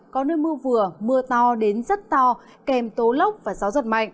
có nơi mưa vừa mưa to đến rất to kèm tố lốc và gió giật mạnh